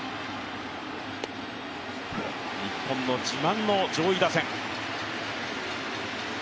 日本の自慢の上位打線。